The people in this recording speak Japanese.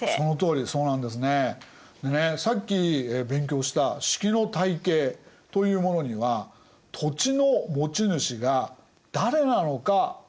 でねさっき勉強した職の体系というものには土地の持ち主が誰なのか分からん！